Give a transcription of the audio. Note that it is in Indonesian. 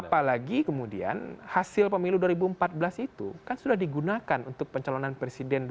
apalagi kemudian hasil pemilu dua ribu empat belas itu kan sudah digunakan untuk pencalonan presiden dua ribu sembilan belas